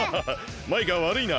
マイカわるいな。